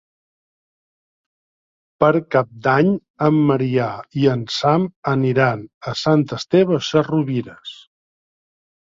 Per Cap d'Any en Maria i en Sam aniran a Sant Esteve Sesrovires.